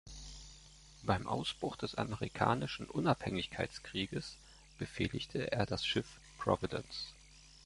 Beim Ausbruch des Amerikanischen Unabhängigkeitskrieges befehligte er das Schiff Providence.